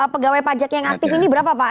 pegawai pajak yang aktif ini berapa pak